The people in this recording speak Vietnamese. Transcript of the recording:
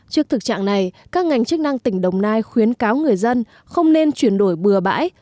trước thực trạng này các ngành chức năng tỉnh đồng nai khuyến cáo người dân không nên chuyển đổi bừa bãi